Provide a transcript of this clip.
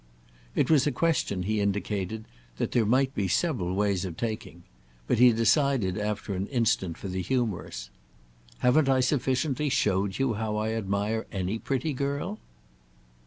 It was a question, he indicated, that there might be several ways of taking; but he decided after an instant for the humorous. "Haven't I sufficiently showed you how I admire any pretty girl?"